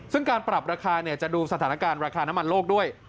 ซึ่งการปรับราคาจะดูสถานการณ์ราคาน้ำมันโลกด้วย